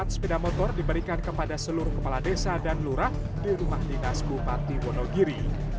dua ratus sembilan puluh empat sepeda motor diberikan kepada seluruh kepala desa dan lurah di rumah dinas bupati wonogiri